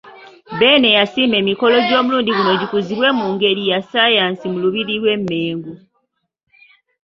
Beene yasiima emikolo gy'omulundi guno gikuzibwe mu ngeri ya Ssaayansi mu Lubiri lw' eMmengo.